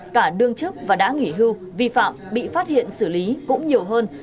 cả đương chức và đã nghỉ hưu vi phạm bị phát hiện xử lý cũng nhiều hơn